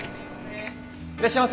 いらっしゃいませ！